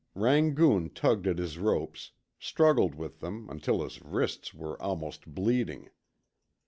Rangoon tugged at his ropes, struggled with them until his wrists were almost bleeding.